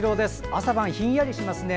朝晩ひんやりしますね。